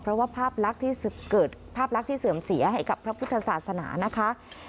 เพราะว่าภาพลักษณ์ที่เสื่อมเสียให้กับพระพุทธศาสนานะคะ